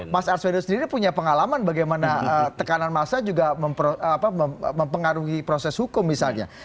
mas arswendo sendiri punya pengalaman bagaimana tekanan massa juga mempengaruhi proses hukum misalnya